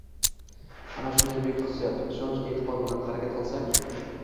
Ana shunday buyuk hissiyot, ishonch-e’tiqod bilan harakat qilsak